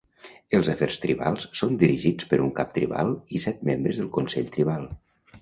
Els afers tribals són dirigits per un cap tribal i set membres del consell tribal.